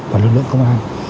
và lực lượng công an